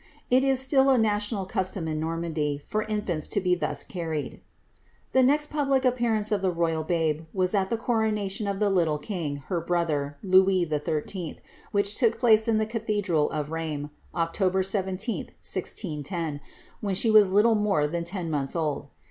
It is still a national custom in Normandy for infimts to be thus carried. The next public appearance of the royal babe was at the coronation of the little king, her brother, Louis Xlll., which look place in the cathedral of Rheims, October 17, 1610, when she was litUe more than ten months c^d.